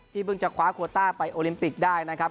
เพิ่งจะคว้าโคต้าไปโอลิมปิกได้นะครับ